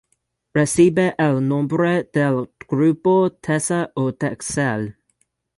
Recibe el nombre del grupo Tessa o Texel.